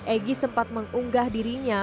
egy sempat mengunggah dirinya